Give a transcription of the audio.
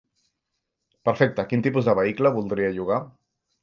Perfecte, quin tipus de vehicle voldria llogar?